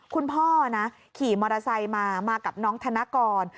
คุณพ่อนะขี่มอเตอร์ไซค์มามากับน้องธนกร